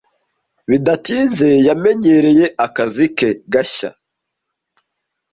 Bidatinze yamenyereye akazi ke gashya.